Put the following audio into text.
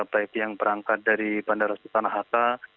baik yang berangkat dari bandara sultanahata